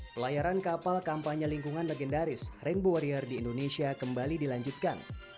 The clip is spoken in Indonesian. pelayaran kapal kampanye lingkungan legendaris rainbow warrior di indonesia kembali dilanjutkan